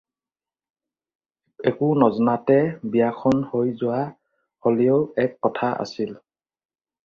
একো নজনাতে বিয়াখন হৈ যোৱা হ'লেও এক কথা আছিল।